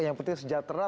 yang penting sejahtera